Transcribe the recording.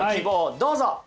どうぞ。